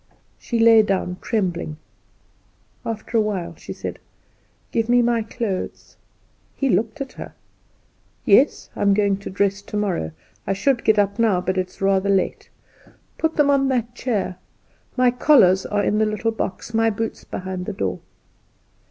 She lay down trembling. After a little while she said: "Give me my clothes." He looked at her. "Yes; I am going to dress tomorrow. I should get up now, but it is rather late. Put them on that chair. My collars are in the little box, my boots behind the door."